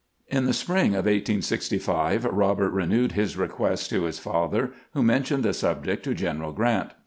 In the spring of 1865 Eobert renewed his request to his father, who mentioned the subject to General G rant.